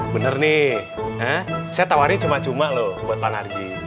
bener nih saya tawarin cuma cuma loh buat pak narji